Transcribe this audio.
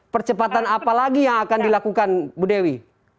percepatan apa lagi yang akan dilakukan bu dewi